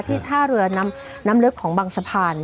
ที่ถ้ารืนน้ำเลือกของบังสะพาน